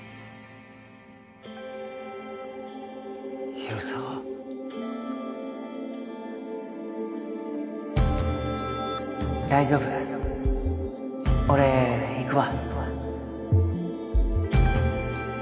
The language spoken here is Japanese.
広沢大丈夫俺行くわ